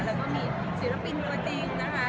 แล้วก็มีศิลปินตัวจริงนะคะ